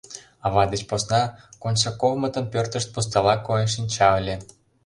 Ава деч посна Коншаковмытын пӧртышт пустала койын шинча ыле.